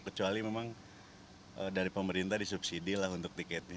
kecuali memang dari pemerintah disubsidi lah untuk tiketnya